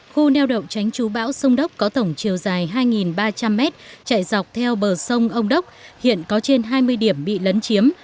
khu neo đậu tránh chú bão sông đốc có tổng chiều dài hai ba trăm linh mét chạy dọc theo bờ sông ông đốc hiện có trên hai mươi điểm bị lấn chiếm